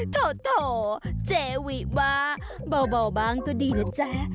โถเจวิว่าเบาบ้างก็ดีนะจ๊ะ